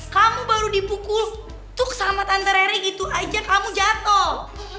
kamu baru dipukul tuh sama tante re gitu aja kamu jatuh